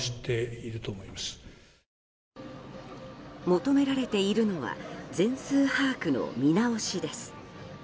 求められているのは全数把握の見直しです。